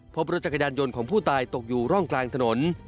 พบรถจักรยานยนต์ของผู้ตายตกอยู่ร่องกลางถนน